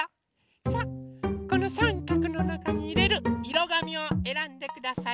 さあこのさんかくのなかにいれるいろがみをえらんでください。